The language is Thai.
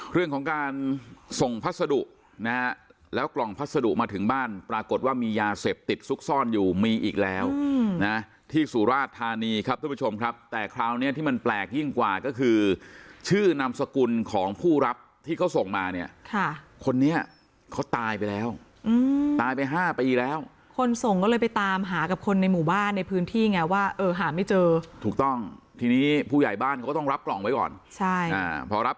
เรื่องของการส่งพัสดุนะฮะแล้วกล่องพัสดุมาถึงบ้านปรากฏว่ามียาเสพติดสุขซ่อนอยู่มีอีกแล้วนะฮะที่สุราชธานีครับทุกผู้ชมครับแต่คราวนี้ที่มันแปลกยิ่งกว่าก็คือชื่อนามสกุลของผู้รับที่เขาส่งมาเนี่ยค่ะคนนี้เขาตายไปแล้วอืมตายไปห้าปีแล้วคนส่งก็เลยไปตามหากับคนในหมู่บ้านในพื้นที่ไงว่าเออหาไม่เจ